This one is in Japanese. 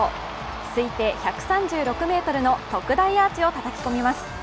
推定１３６ｍの特大アーチをたたき込みます。